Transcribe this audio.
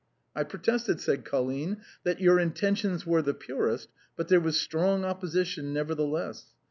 " I protested," said Colline, " that your intentions were the purest, but there was a strong opposition, nevertheless.